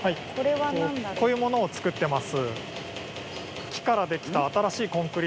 こういうものを作ってます